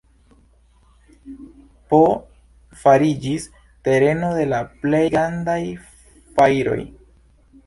P. fariĝis tereno de la plej grandaj fajroj.